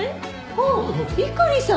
ああ猪狩さん！